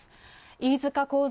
飯塚幸三